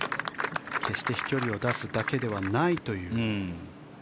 決して飛距離を出すだけではないという。